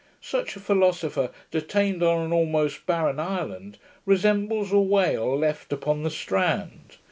Such a philosopher, detained on an almost barren island, resembles a whale left upon the strand.